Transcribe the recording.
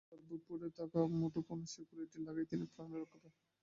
তাঁর বুকপকেটে থাকা মুঠোফোন সেটে গুলিটি লাগায় তিনি প্রাণে রক্ষা পান।